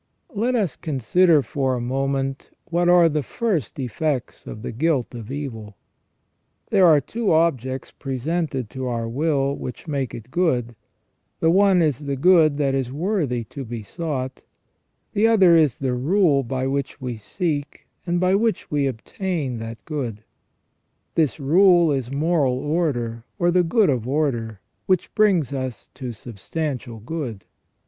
Let us consider for a moment what are the first effects of the guilt of evil. There are two objects presented to our will which make it good : the one is the good that is worthy to be sought, the • S. Thorn., Tract. De Malo, ii. De Peccatis, a. 2, ad 14. ON JUSTICE AND MORAL EVIL, 215 other is the rule by which we seek and by which we obtain that good. This rule is moral good or the good of order, which brings us to substantial good.